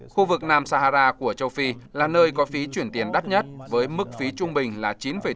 khu vực nam sahara của châu phi là nơi có phí chuyển tiền đắt nhất với mức phí trung bình là chín bảy